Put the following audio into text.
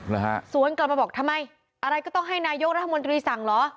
นะฮะสวนกลับมาบอกทำไมอะไรก็ต้องให้นายกรัฐมนตรีสั่งเหรอ